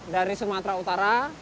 dari sumatera utara